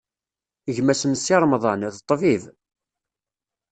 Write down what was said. Gma-s n Si Remḍan, d ṭṭbib.